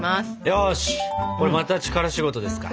よしこれまた力仕事ですか。